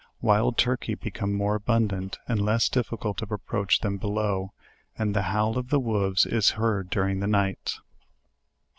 Wild turkey become more abundant and less difficult of approach than below; and the howl of the wolves is heard during the night.